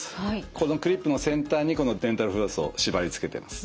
このクリップの先端にデンタルフロスを縛りつけてます。